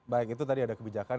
baik itu tadi ada kebijakan